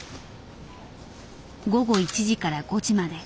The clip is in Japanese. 午後１時５時まで。